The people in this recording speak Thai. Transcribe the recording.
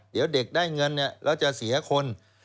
เดี๋ยวเด็กได้เงินเนี่ยเราจะเสียคน